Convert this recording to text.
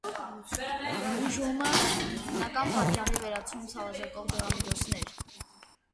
Բուժումը՝ հիմնական պատճառի վերացում, ցավազրկող դեղամիջոցներ։